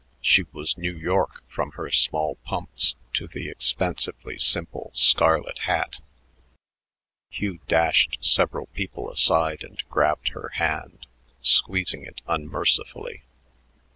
She was New York from her small pumps to the expensively simple scarlet hat. Hugh dashed several people aside and grabbed her hand, squeezing it unmercifully.